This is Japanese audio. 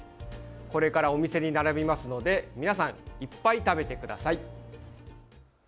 これからお店に並びますので皆さんいっぱい食べてください。